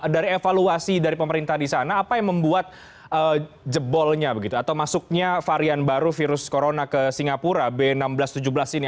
dari evaluasi dari pemerintah di sana apa yang membuat jebolnya begitu atau masuknya varian baru virus corona ke singapura b enam belas tujuh belas ini